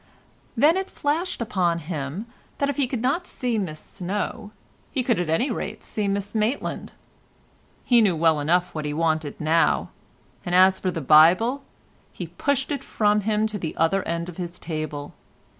Then it flashed upon him that if he could not see Miss Snow he could at any rate see Miss Maitland. He knew well enough what he wanted now, and as for the Bible, he pushed it from him to the other end of his table.